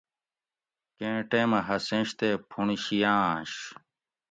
کیں ٹیمہ ہسینش تے پُھونڑ شیاۤنش